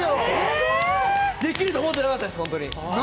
できると思ってなかったです！